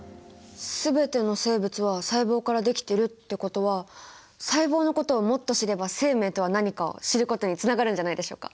「全ての生物は細胞からできている」ってことは細胞のことをもっと知れば生命とは何かを知ることにつながるんじゃないでしょうか？